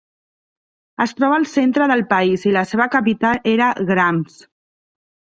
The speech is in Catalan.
Es troba al centre del país i la seva capital era Gramsh.